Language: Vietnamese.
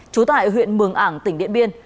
trú tại huyện mường ảng tỉnh điện biên